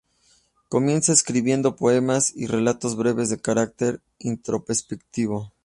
Comienza escribiendo poemas y relatos breves de carácter introspectivo.